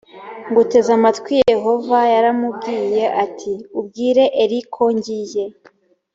nguteze amatwi yehova yaramubwiye ati ubwire eli ko ngiye